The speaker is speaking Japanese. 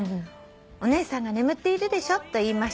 「『お姉さんが眠っているでしょ』と言いました」